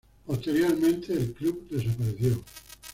Posteriormente el club desapareció.